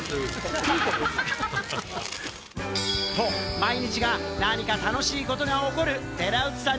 毎日が何か楽しいことが起こる寺内さん